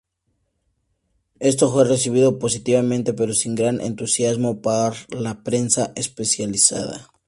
Esto fue recibido positivamente, pero sin gran entusiasmo, por la prensa especializada.